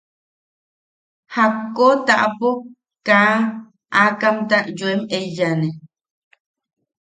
–Jakko taʼapo kaa aakamta yoem eyane.